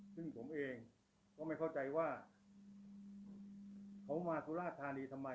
ซึ่งผมเองก็ไม่เข้าใจว่าเขามาสุราธานีทำไม